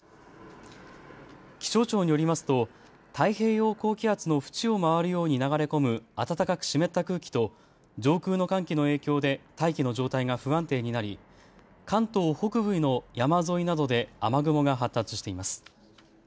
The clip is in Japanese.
気象庁によりますと太平洋高気圧の縁を回るように流れ込む暖かく湿った空気と上空の寒気の影響で大気の状態が不安定になり、関東北部の山沿いなどで雨雲が発達しています。